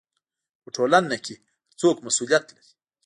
په ټولنه کې هر څوک مسؤلیت لري.